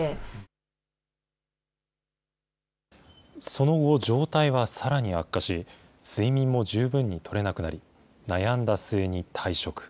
その後、状態はさらに悪化し、睡眠も十分にとれなくなり、悩んだ末に退職。